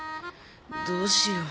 どうしよう。